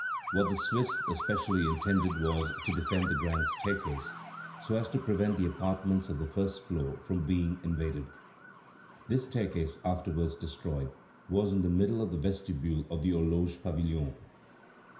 What the Swiss specially intended was to defend the grand staircase, so as to prevent the apartments on the first floor from being invaded. This staircase, afterwards destroyed, was in the middle of the vestibule of the Horloge Pavilion.